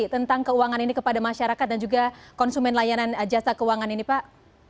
tentang keuangan ini kepada masyarakat dan juga konsumen layanan jasa keuangan ini pak